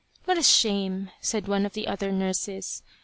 "What a shame!" said one of the other nurses.